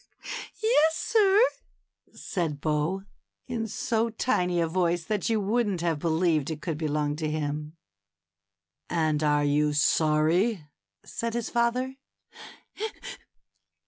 ^^Yes, sir," said Bo, in so tiny a voice that you wouldn't have believed it could belong to him. And are you sorry ?" said his father.